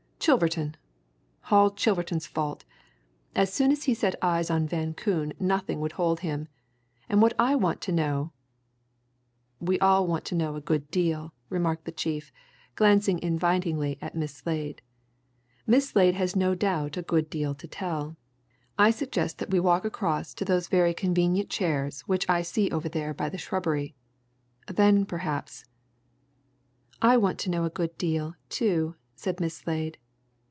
"Chilverton! all Chilverton's fault. As soon as he set eyes on Van Koon nothing would hold him. And what I want to know " "We all want to know a good deal," remarked the chief, glancing invitingly at Miss Slade. "Miss Slade has no doubt a good deal to tell. I suggest that we walk across to those very convenient chairs which I see over there by the shrubbery then perhaps " "I want to know a good deal, too," said Miss Slade.